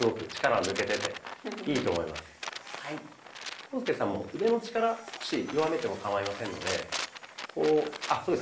浩介さんも腕の力少し弱めてもかまいませんのでこうあそうです。